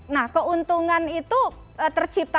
nah keuntungan itu tercipta